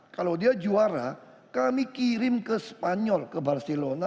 kalau dia juara kami kirim ke spanyol ke barcelona